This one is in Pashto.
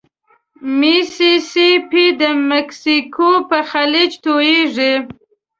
ميسي سي پي د مکسیکو په خلیج توییږي.